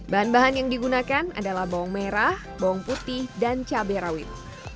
bahan bahan yang digunakan adalah bawang merah bawang putih dan cabai rawit